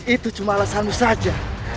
itu cuma alasanmu saja